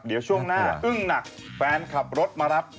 เดี๋ยวช่วงหน้าอึ้งหนักแฟนขับรถมารับ